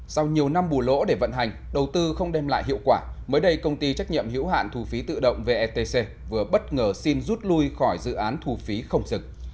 sau nhiều năm bù lỗ để vận hành đầu tư không đem lại hiệu quả mới đây công ty trách nhiệm hiểu hạn thu phí tự động vetc vừa bất ngờ xin rút lui khỏi dự án thu phí không dừng